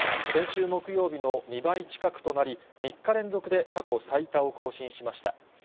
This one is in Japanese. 先週木曜日の２倍近くとなり、３日連続で過去最多を更新しました。